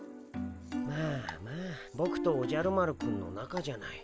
まあまあボクとおじゃる丸くんのなかじゃない。